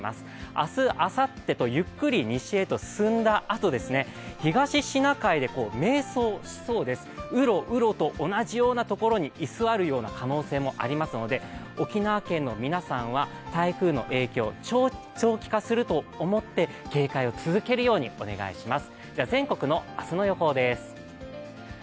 明日、あさってとゆっくり西へと進んだあと、東シナ海で迷走しそうです、うろうろと同じようなところに居座る可能性もありますので沖縄県の皆さんは台風の影響長期化すると思って警戒を続けるようにお願いします。